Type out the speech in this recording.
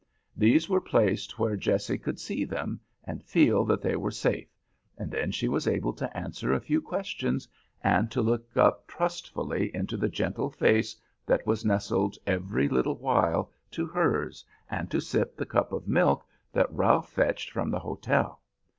These were placed where Jessie could see them and feel that they were safe, and then she was able to answer a few questions and to look up trustfully into the gentle face that was nestled every little while to hers, and to sip the cup of milk that Ralph fetched from the hotel.